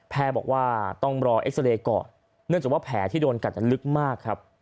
บอกว่าต้องรอเอ็กซาเรย์ก่อนเนื่องจากว่าแผลที่โดนกัดลึกมากครับ